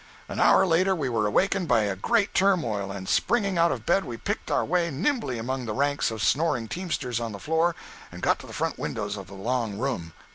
An hour later we were awakened by a great turmoil, and springing out of bed we picked our way nimbly among the ranks of snoring teamsters on the floor and got to the front windows of the long room.